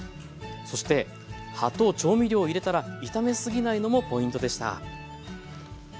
そして葉と調味料を入れたら炒め過ぎないのもポイントでした。